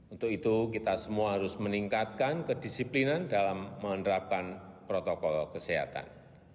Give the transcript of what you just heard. untuk itu kita semua harus meningkatkan kedisiplinan dalam menerapkan protokol kesehatan